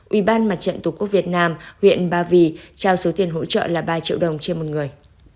ủy ban mặt trận tổ quốc việt nam huyện ba vì trao số tiền hỗ trợ là ba triệu đồng trên một người